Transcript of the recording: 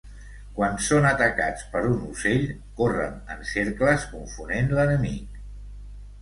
Quan són atacats per un ocell, corren en cercles, confonent l'enemic.